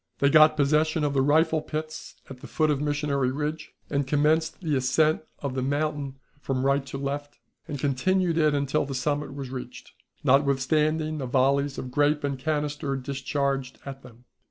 They got possession of the rifle pits at the foot of Missionary Ridge, and commenced the ascent of the mountain from right to left, and continued it until the summit was reached, notwithstanding the volleys of grape and canister discharged at them.